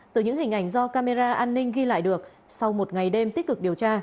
từ những hình ảnh do camera an ninh ghi lại được sau một ngày đêm tích cực điều tra